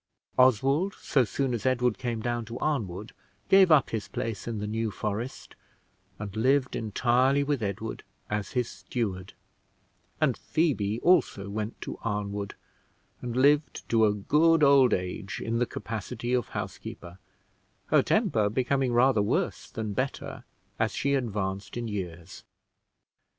Oswald, so soon as Edward came down to Arnwood, gave up his place in the New Forest, and lived entirely with Edward as his steward; and Phoebe also went to Arnwood, and lived to a good old age, in the capacity of housekeeper, her temper becoming rather worse than better as she advanced in years.